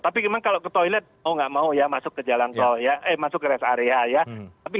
tapi memang kalau ke toilet oh tidak mau ya masuk ke rest area